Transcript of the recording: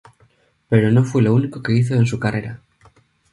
Pero no fue lo único que hizo en su carrera.